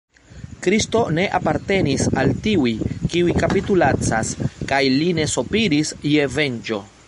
Kristo ne apartenis al tiuj, kiuj kapitulacas, kaj li ne sopiris je venĝo.